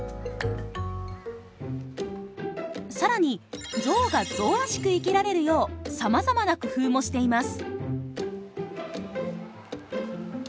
更にゾウがゾウらしく生きられるようさまざまな工夫もしています。